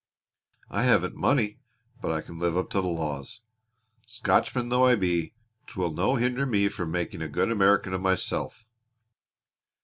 I haven't money, but I can live up to the laws. Scotchman though I be 'twill no hinder me from making a good American of myself."